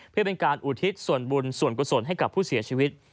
เพื่อเป็นการอุทิศส่วนบุญส่วนกุศลให้กับผู้เสียชีวิต